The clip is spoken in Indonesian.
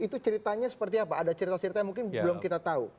itu ceritanya seperti apa ada cerita cerita yang mungkin belum kita tahu